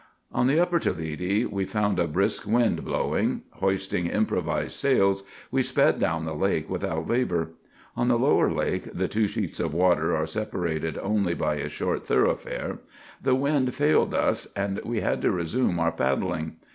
On the upper Toledi we found a brisk wind blowing. Hoisting improvised sails, we sped down the lake without labor. On the lower lake (the two sheets of water are separated only by a short "thoroughfare") the wind failed us, and we had to resume our paddling.